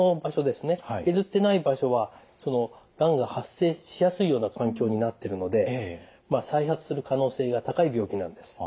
削ってない場所はがんが発生しやすいような環境になってるので再発する可能性が高い病気なんです。